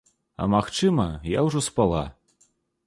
А магчыма, я ўжо спала.